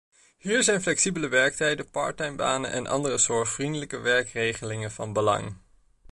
Hier zijn flexibele werktijden, parttimebanen en andere zorgvriendelijke werkregelingen van belang.